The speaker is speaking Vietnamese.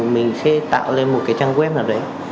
mình sẽ tạo lên một cái trang web nào đấy